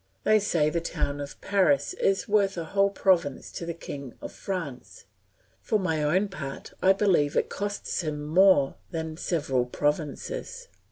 They say the town of Paris is worth a whole province to the King of France; for my own part I believe it costs him more than several provinces.